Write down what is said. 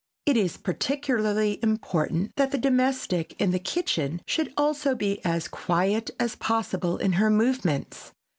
It is particularly important that the domestic in the kitchen should also be as quiet as possible in her movements.